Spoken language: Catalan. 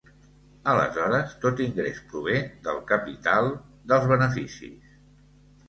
Aleshores tot ingrés prové del capital, dels beneficis.